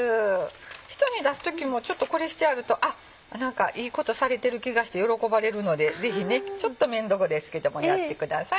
人に出す時もこれしてあるとあっいいことされてる気がして喜ばれるのでぜひねちょっと面倒ですけどもやってください。